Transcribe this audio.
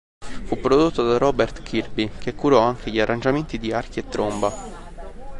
Fu prodotto da Robert Kirby, che curò anche gli arrangiamenti di archi e tromba.